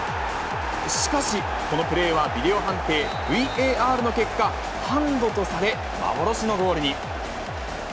しかし、このプレーはビデオ判定、ＶＡＲの結果、ハンドとされ、幻のゴールに。